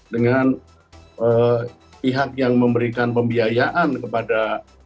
dengan pihak yang memberikan pembiayaan kepada